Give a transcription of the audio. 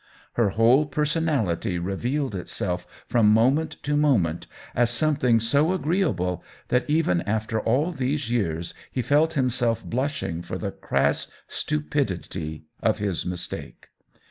Her whole personality revealed itself from moment to moment as something so agreeable that even after all these years he felt himself blushing for the crass stupid ity of his mistake.